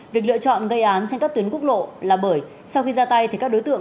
việc lựa chọn gây án trên các tuyến quốc lộ là bởi sau khi ra tay thì các đối tượng